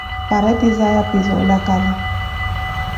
Paratizaya pi za olacala.